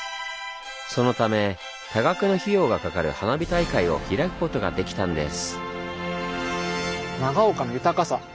そのため多額の費用がかかる花火大会を開くことができたんです。